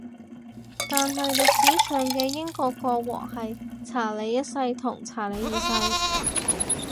但係歷史上嘅英國國王係查理一世同查理二世